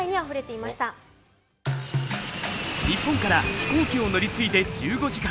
日本から飛行機を乗り継いで１５時間。